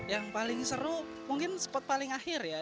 yang paling seru mungkin spot paling akhir ya